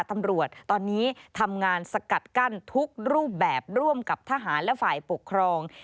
ตำรวจตอนนี้ทำงานสกัดกั้นทุกรูปแบบร่วมกับทหารและฝ่ายปกครอง